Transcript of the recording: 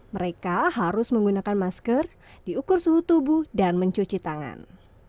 mereka harus menggunakan masker diukur suhu tubuh dan mencuci tangan